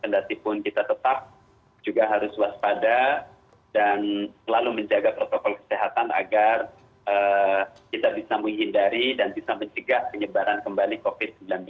dan kita tetap harus waspada dan selalu menjaga protokol kesehatan agar kita bisa menghindari dan bisa mencegah penyebaran kembali covid sembilan belas